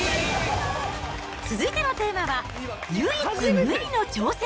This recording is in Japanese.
続いてのテーマは、唯一無二の挑戦！